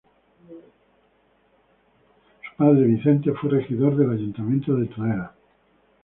Su padre, Vicente, fue Regidor del Ayuntamiento de Tudela.